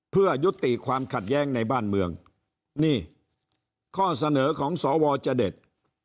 เพื่อยุติความขัดแย้งในบ้านเมืองนี่ข้อเสนอของสวจะเด็ด